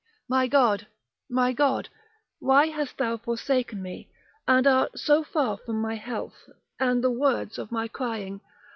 My God, my God, why hast thou forsaken me, and art so far from my health, and the words of my crying?